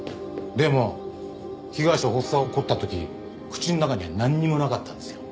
でも被害者は発作が起こった時口の中にはなんにもなかったんですよ。